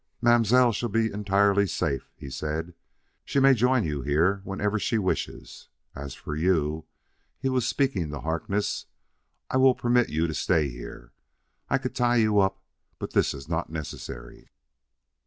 "Mam'selle shall be entirely safe," he said. "She may join you here whenever she wishes. As for you," he was speaking to Harkness "I will permit you to stay here. I could tie you up but this iss not necessary."